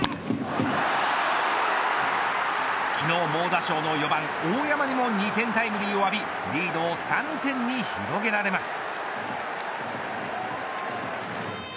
昨日猛打賞の４番、大山にも２点タイムリーを浴びリードを３点に広げられます。